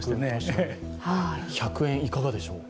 １００円、いかがでしょう？